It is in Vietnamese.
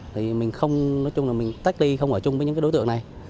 thì mình không nói chung là mình tách đi không ở chung với những cái đối tượng này